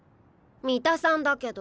三田さんだけど。